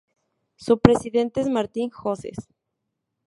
Su presidente es Martín Hoces.